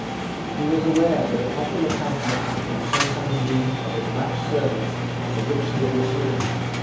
He was aware that a popular pamphlet might sometimes be of as much service as a victory in the field.